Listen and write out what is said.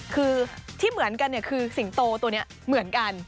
คือที่เหมือนกันคือสิงโตตัวนี้เหมือนกัน